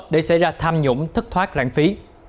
để xảy ra tham nhũng thất thoát lãng phí